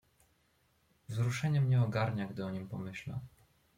"Wzruszenie mnie ogarnia, gdy o nim pomyślę."